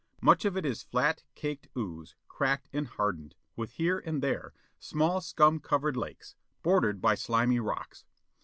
Much of it is flat, caked ooze, cracked and hardened, with, here and there, small scum covered lakes, bordered by slimy rocks.